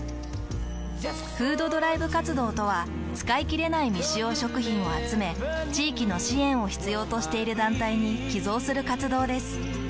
「フードドライブ活動」とは使いきれない未使用食品を集め地域の支援を必要としている団体に寄贈する活動です。